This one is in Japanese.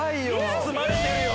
包まれてるよ！